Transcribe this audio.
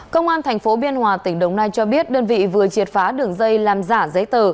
công an tp biên hòa tỉnh đồng nai cho biết đơn vị vừa triệt phá đường dây làm giả giấy tờ